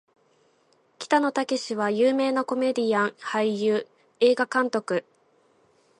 北野武は有名なコメディアン・俳優・映画監督